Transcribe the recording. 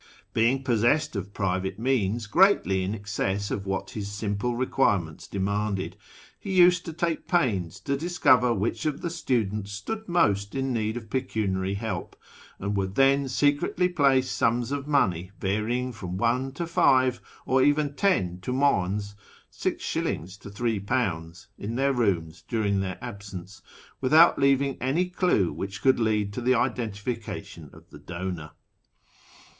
Being possessed of private means greatly in excess of what his simple requirements demanded, he used to take pains to discover which of the students stood most in need of pecuniary help, and would then secretly place sums of money varying from one to five or even ten himdns (six shillings to three jDounds) in their rooms during their absence, without leaving any clue which could lead to the identification of the donor.